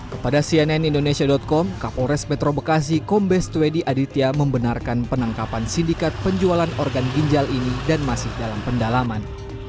kepada cnn indonesia com kapolres metro bekasi kombes tuwedi aditya membenarkan penangkapan sindikat penjualan organ ginjal ini dan masih dalam pendalaman